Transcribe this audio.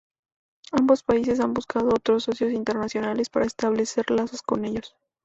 Ambos países han buscado otros socios internacionales para establecer lazos con ellos.